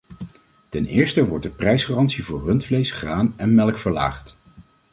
Ten eerste wordt de prijsgarantie voor rundvlees, graan en melk verlaagd.